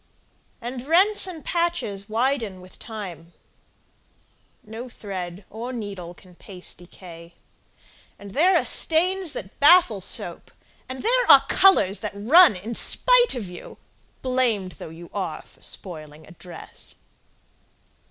And rents and patches widen with time; No thread or needle can pace decay, And there are stains that baffle soap, And there are colors that run in spite of you, Blamed though you are for spoiling a dress.